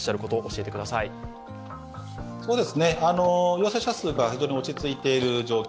陽性者数が非常に落ち着いている状況